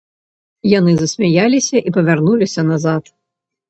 Яны засмяяліся і павярнуліся назад.